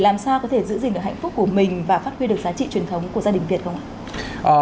làm sao có thể giữ gìn được hạnh phúc của mình và phát huy được giá trị truyền thống của gia đình việt không ạ